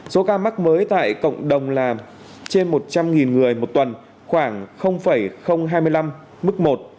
số ca mắc mới tại cộng đồng là trên một trăm linh người một tuần khoảng hai mươi năm mức một